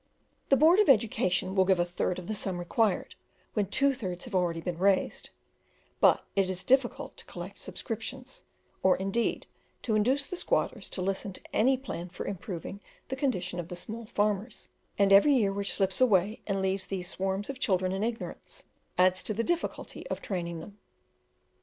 The Board of Education will give a third of the sum required, when two thirds have been already raised; but it is difficult to collect subscriptions, or indeed to induce the squatters to listen to any plan for improving the condition of the small farmers, and every year which slips away and leaves these swarms of children in ignorance adds to the difficulty of training them.